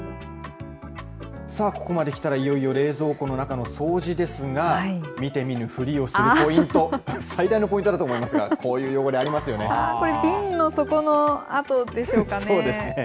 さあ、ここまできたらいよいよ冷蔵庫の中の掃除ですが、見て見ぬふりをするポイント、最大のポイントだと思いますが、ここれ、瓶の底の跡でしょうかそうですね。